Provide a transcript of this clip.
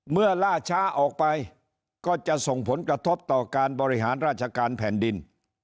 ล่าช้าออกไปก็จะส่งผลกระทบต่อการบริหารราชการแผ่นดิน